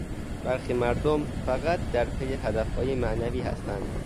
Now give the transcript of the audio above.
برخی مردم فقط در پی هدفهای معنوی هستند.